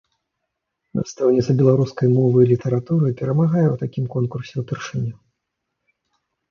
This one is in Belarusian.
Настаўніца беларускай мовы і літаратуры перамагае ў такім конкурсе ўпершыню.